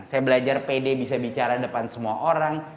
saya belajar pede bisa bicara depan semua orang